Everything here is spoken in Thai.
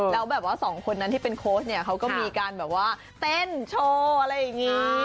แล้วแบบว่าสองคนนั้นที่เป็นโค้ชเนี่ยเขาก็มีการแบบว่าเต้นโชว์อะไรอย่างนี้